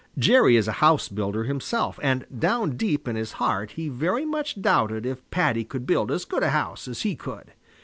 Jerry is a house builder himself, and down deep in his heart he very much doubted if Paddy could build as good a house as he could.